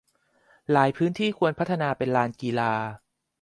หลายพื้นที่ควรพัฒนาเป็นลานกีฬา